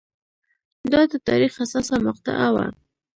دا د تاریخ حساسه مقطعه وه.